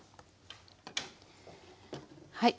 はい。